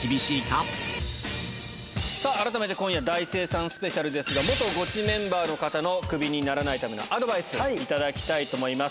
さあ、改めて今夜大精算スペシャルですが、元ゴチメンバーの方のクビにならないためのアドバイス、頂きたいと思います。